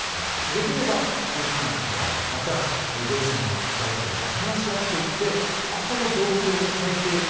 できれば夫婦間とかまた、上司の２人とかで話し合っていってここの状況を変えていく。